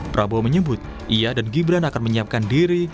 prabowo menyebut ia dan gibran akan menyiapkan diri